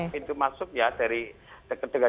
pintu masuk ya dari dekat dekat